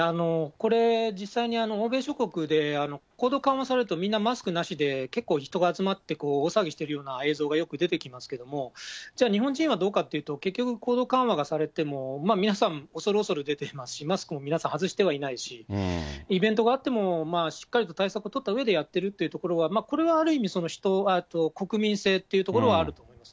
これ、実際に欧米諸国で行動緩和されるとみんなマスクなしで、結構、人が集まって、大騒ぎしているような映像がよく出てきますけれども、じゃあ、日本人はどうかっていうと、結局行動緩和がされても皆さん、恐る恐る出てますし、マスクも皆さん外してはいないし、イベントがあっても、しっかりと対策取ったうえでやってるっていうところは、これはある意味、国民性というところはあると思います。